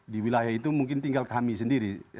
di wilayah itu mungkin tinggal kami sendiri